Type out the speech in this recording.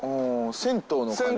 銭湯の感じ。